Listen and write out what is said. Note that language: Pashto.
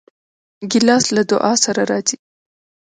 ګیلاس له دعا سره راځي.